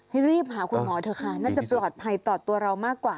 ให้รีบหาคุณหมอเถอะค่ะน่าจะปลอดภัยต่อตัวเรามากกว่า